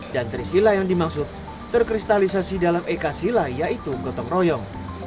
dan trisila yang dimaksud terkristalisasi dalam eka sila yaitu gotong royong